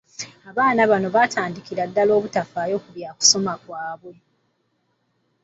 Abaana bano batandikira ddala obutafaayo ku byakusoma kwabwe.